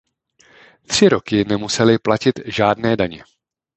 Tři roky nemuseli platit žádné daně.